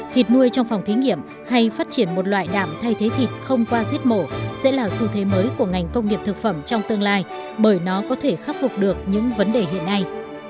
thịt nuôi trong phòng thí nghiệm hay phát triển một loại đạm thay thế thịt không qua giết mổ sẽ là xu thế mới của ngành công nghiệp thực phẩm trong tương lai bởi nó có thể khắc phục được những vấn đề hiện nay